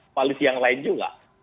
koalisi yang lain juga